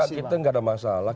kita nggak ada masalah